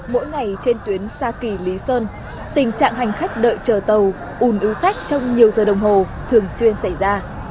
mỗi ngày trên tuyến sa kỳ lý sơn tình trạng hành khách đợi chờ tàu ùn ứ khách trong nhiều giờ đồng hồ thường xuyên xảy ra